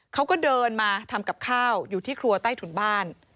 เขาก็เดินมาทำกับข้าวอยู่ที่ครัวใต้ถุนบ้าน